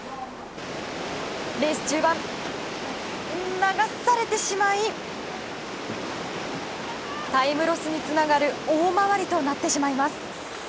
レース中盤、流されてしまいタイムロスにつながる大回りとなってしまいます。